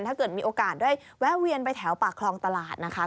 ถ้าเกิดมีโอกาสได้แวะเวียนไปแถวปากคลองตลาดนะคะ